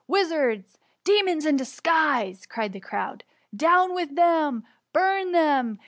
wizards ! demons in disguise T cried the crowd. '^Down with them! burn them